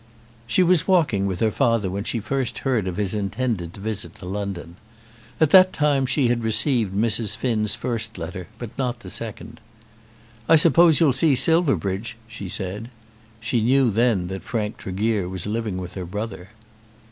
She was walking with her father when she first heard of his intended visit to London. At that time she had received Mrs. Finn's first letter, but not the second. "I suppose you'll see Silverbridge," she said. She knew then that Frank Tregear was living with her brother.